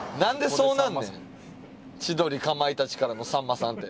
「千鳥」「かまいたち」からの「さんまさん」って。